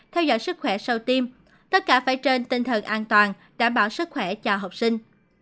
theo dõi sức khỏe sau tiêm tất cả phải trên tinh thần an toàn đảm bảo sức khỏe cho học sinh